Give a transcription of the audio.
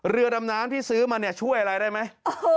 เรือดำน้ำที่ซื้อมาเนี่ยช่วยอะไรได้ไหม